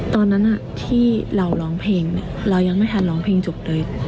ตอนนั้นเรายังไม่ทันร้องเพลงจบเลย